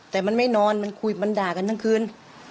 แต่มันไม่นอนมันคุยมันด่ากันทั้งคืน